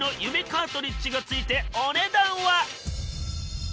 カートリッジが付いてお値段は。